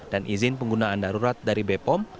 izin penggunaan darurat dari bepom